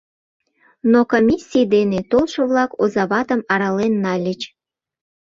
Но комиссий дене толшо-влак оза ватым арален нальыч.